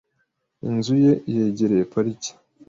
Inzu ye yegereye parike .